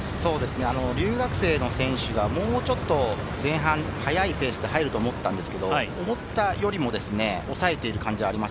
留学生の選手がもうちょっと前半、早いペースで入ると思ったんですけれど、思ったよりも抑えている感じがあります。